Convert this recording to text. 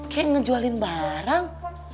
kayak ngejualin barang